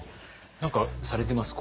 何かされてます？